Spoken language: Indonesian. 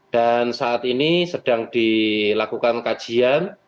dan saat ini sedang dilakukan kajian